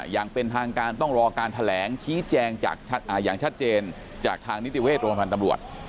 อย่างเป็นทางการต้องรอการแถลงชี้แจงอย่างชัดเจนจากทางนิติเวชโรงพยาบาลตำรวจ